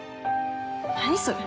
何それ？